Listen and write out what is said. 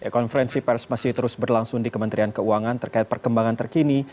konferensi pers masih terus berlangsung di kementerian keuangan terkait perkembangan terkini